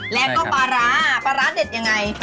แล้วก็ปลาร้าปลาร้าเด็ดยังไง